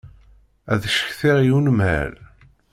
Ad ccetkiɣ i unemhal.